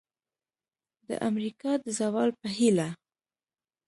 د امریکا د زوال په هیله!